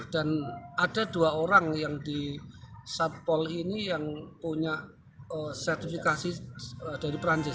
dan ada dua orang yang di satpol ini yang punya sertifikasi dari perancis